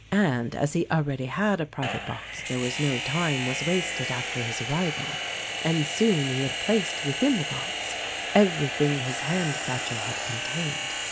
and as he already had a private box there no time was wasted after his arrival ; and soon he had placed within the box everything his hand satchel had contained.